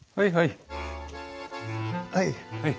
はいはい！